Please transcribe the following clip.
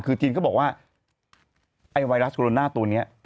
คือจีนก็บอกว่าไอ้ไวรัสโคโรนาตัวนี้